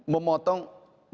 memotong rantai pasok